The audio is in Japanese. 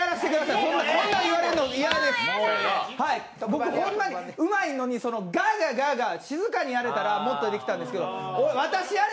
僕ほんまにうまいのにガーガー、ガーガー静かにやれたらもっとできたんですけど、私やれ！